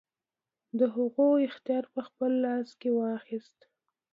د هغو اختیار په خپل لاس کې واخیست.